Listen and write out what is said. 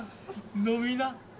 飲みな。